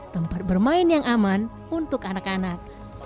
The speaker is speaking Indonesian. tempat bermain yang aman untuk anak anak